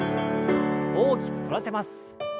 大きく反らせます。